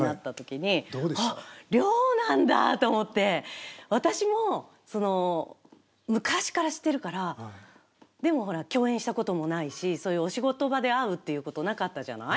あっ、亮なんだと思って、私も昔から知ってるから、でもほら、共演したこともないし、そういうお仕事場で会うっていうことなかったじゃない。